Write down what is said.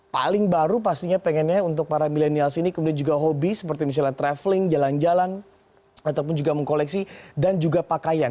paling baru pastinya pengennya untuk para milenial sini kemudian juga hobi seperti misalnya traveling jalan jalan ataupun juga mengkoleksi dan juga pakaian